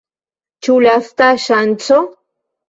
Ĉu lasta ŝanco?